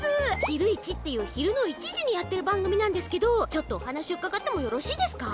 「ひるイチ」っていうひるの１じにやってるばんぐみなんですけどちょっとおはなしうかがってもよろしいですか？